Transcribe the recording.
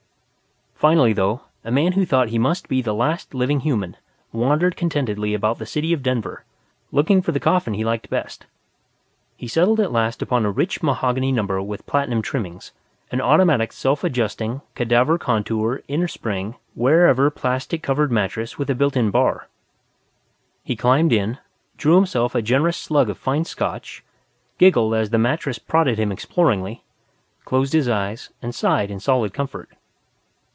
Finally, though, a man who thought he must be the last living human, wandered contentedly about the city of Denver looking for the coffin he liked best. He settled at last upon a rich mahogany number with platinum trimmings, an Automatic Self Adjusting Cadaver contour Innerspring Wearever Plastic Covered Mattress with a built in bar. He climbed in, drew himself a generous slug of fine Scotch, giggled as the mattress prodded him exploringly, closed his eyes and sighed in solid comfort.